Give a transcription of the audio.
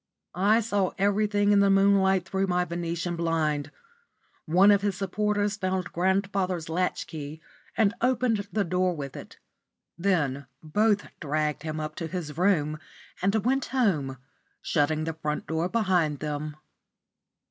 I saw everything in the moonlight through my Venetian blind. One of his supporters found grandfather's latch key and opened the door with it. Then both dragged him up to his room and went home, shutting the front door behind them.